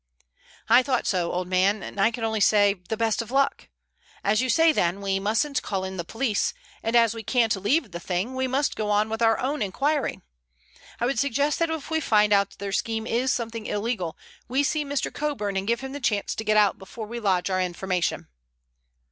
"I thought so, old man, and I can only say—the best of luck! As you say, then, we mustn't call in the police, and as we can't leave the thing, we must go on with our own inquiry. I would suggest that if we find out their scheme is something illegal, we see Mr. Coburn and give him the chance to get out before we lodge our information."